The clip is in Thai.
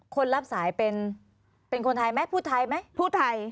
คนรับสายเป็นคนไทยไหมพูดไทยไหมพูดไทย